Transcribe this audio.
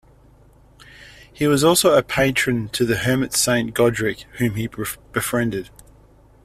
He was also a patron to the hermit Saint Godric, whom he befriended.